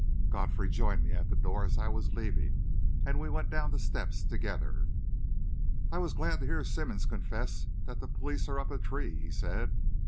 Godfrey joined me at the door as I was leaving, and we went down the steps together. "I was glad to hear Simmonds confess that the police are up a tree," he said.